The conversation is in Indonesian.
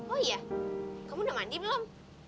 oh iya kamu udah mandi belum